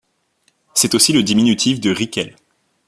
C'est aussi le diminutif de Rickel.